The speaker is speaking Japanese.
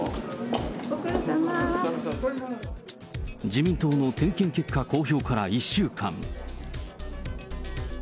自民党の点検結果公表から１週間。